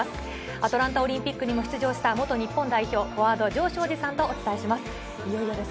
アトランタオリンピックにも出場した、元日本代表フォワード、城彰二さんとお伝えします。